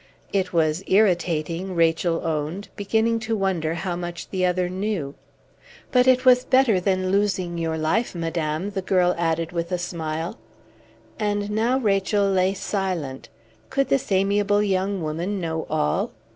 "It was irritating," Rachel owned, beginning to wonder how much the other knew. "But it was better than losing your life, madame!" the girl added with a smile. And now Rachel lay silent. Could this amiable young woman know all?